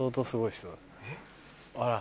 あら。